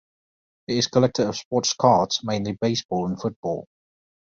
He is collector of sports cards, mainly baseball and football.